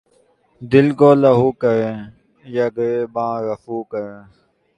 دل کو لہو کریں یا گریباں رفو کریں